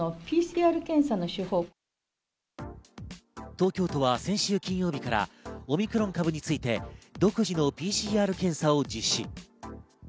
東京都は先週金曜日からオミクロン株について独自のＰＣＲ検査を実施。